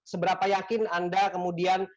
seberapa yakin anda kemudian